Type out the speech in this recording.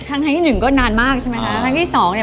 อันนี้หนึ่งก็นานมากใช่ไหมครับครั้งหน้าที่สองเนี่ย